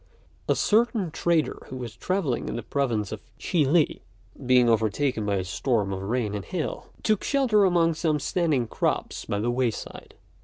A certain trader who was travelling in the province of Chih li, being overtaken by a storm of rain and hail, took shelter among some standing crops by the way side.